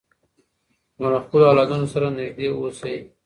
نو له خپلو اولادونو سره نږدې اوسئ.